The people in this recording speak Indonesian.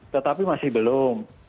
tetapi masih belum